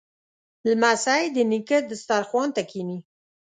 لمسی د نیکه دسترخوان ته کیني.